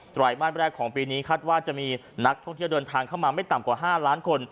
ไรมาสแรกของปีนี้คาดว่าจะมีนักท่องเที่ยวเดินทางเข้ามาไม่ต่ำกว่า๕ล้านคน